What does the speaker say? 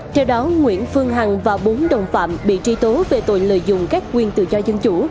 theo đó nguyễn phương hằng và bốn đồng phạm bị truy tố về tội lợi dụng các quyền tự do dân chủ